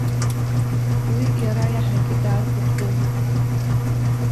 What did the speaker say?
Уи иара иаҳагьы дааргәыбзыӷит.